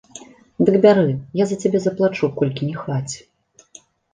Дык бяры, я за цябе заплачу, колькі не хваце.